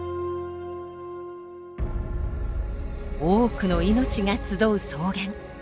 多くの命が集う草原。